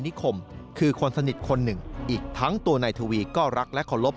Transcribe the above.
นิคมคือคนสนิทคนหนึ่งอีกทั้งตัวนายทวีก็รักและเคารพ